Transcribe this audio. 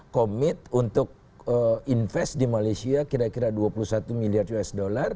komit untuk investasi di malaysia kira kira dua puluh satu miliar usd